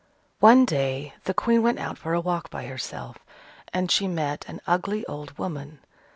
One day the Queen went out for a walk by herself, and she met an ugly old woman.